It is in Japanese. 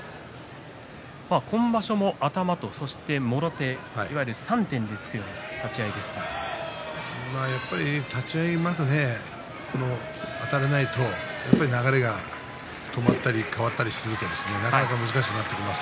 今場所も頭ともろ手いわゆる３点で突くようなやっぱり立ち合いうまくあたれないと流れが止まったり変わったりするとなかなか難しくなってきます。